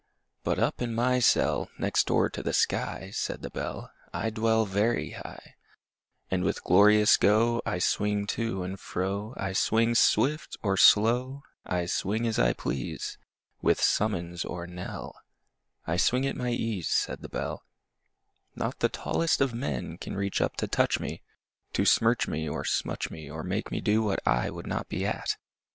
But up in my cell Next door to the sky, Said the Bell, I dwell Very high; And with glorious go I swing to and fro; I swing swift or slow, I swing as I please, With summons or knell; I swing at my ease, Said the Bell: Not the tallest of men Can reach up to touch me, To smirch me or smutch me, Or make me do what I would not be at!